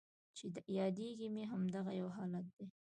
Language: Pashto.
چې یادیږي مې همدغه یو حالت دی